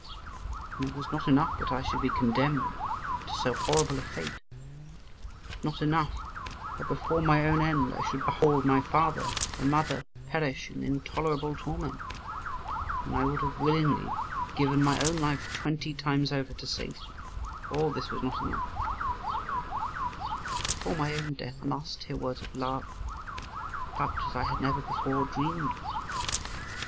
And it was not enough that I should be condemned to so horrible a fate; not enough that before my own end I should behold my father and mother perish in intolerable torment, when I would have willingly given my own life twenty times over to save them; all this was not enough, but before my own death I must hear words of love such as I had never before dreamed of.